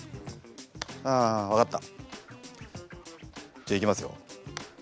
じゃあいきますよ。